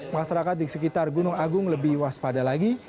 masyarakat di sekitar gunung agung lebih waspada lagi